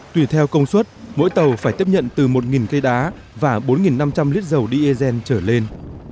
tùy theo công suất mỗi tàu phải tiếp nhận từ một cây đá và bốn năm trăm linh lít dầu diesel trở lên